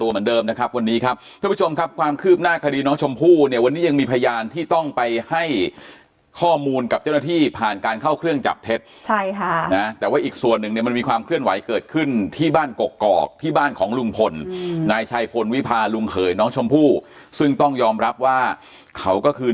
เหมือนเดิมนะครับวันนี้ครับท่านผู้ชมครับความคืบหน้าคดีน้องชมพู่เนี่ยวันนี้ยังมีพยานที่ต้องไปให้ข้อมูลกับเจ้าหน้าที่ผ่านการเข้าเครื่องจับเท็จใช่ค่ะนะแต่ว่าอีกส่วนหนึ่งเนี่ยมันมีความเคลื่อนไหวเกิดขึ้นที่บ้านกกอกที่บ้านของลุงพลนายชัยพลวิพาลุงเขยน้องชมพู่ซึ่งต้องยอมรับว่าเขาก็คือ